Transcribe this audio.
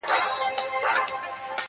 په خلوت کي وو ملګری د شیخانو-